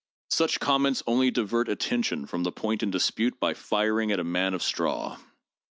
Such comments only divert attention from the point in dispute by firing at a man of straw.